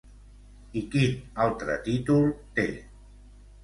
I quin altre títol té?